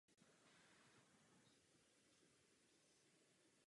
Proto Komise vítá zpolitizování rozpravy týkající se otázky spektra.